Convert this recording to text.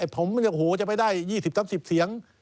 ผมจะไปได้๒๐๓๐เสียง